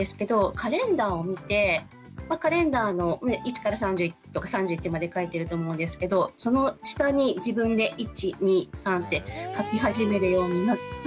カレンダーを見てカレンダーの１から３０とか３１まで書いてると思うんですけどその下に自分で１２３って書き始めるようになって。